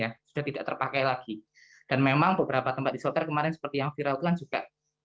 ya sudah tidak terpakai lagi dan memang beberapa tempat isoter kemarin seperti yang viral itu kan juga